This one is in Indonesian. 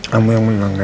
kamu yang menang ya